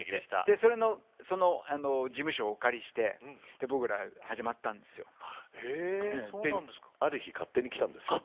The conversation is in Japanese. その事務所をお借りしてある日勝手に来たんですよ。